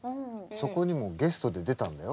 そこにもゲストで出たんだよ。